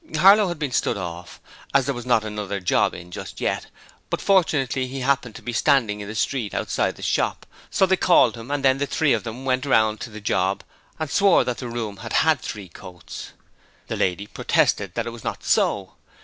Harlow had been stood off, as there was not another job in just then, but fortunately he happened to be standing in the street outside the shop, so they called him and then the three of them went round to the job and swore that the room had had three coats. The lady protested that it was not so.